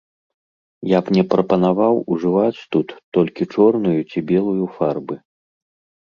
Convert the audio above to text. Я б не прапанаваў ужываць тут толькі чорную ці белую фарбы.